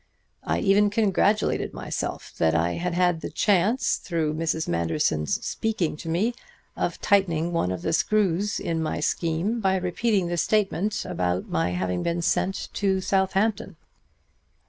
I even congratulated myself that I had had the chance, through Mrs. Manderson's speaking to me, of tightening one of the screws in my scheme by repeating the statement about my having been sent to Southampton."